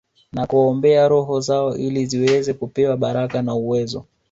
Na kuombea roho zao ili ziweze kupewa baraka na uwezo